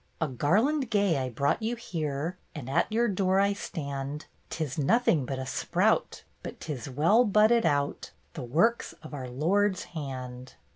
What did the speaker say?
" A garland gay I brought you here. And at your door I stand ; 'Tis nothing but a sprout, but 'tis well budded out. The works of our Lord's hand."